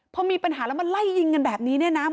พอมีปัญหาแล้วมาไล่ยิงกันแบบนี้เนี่ยนะ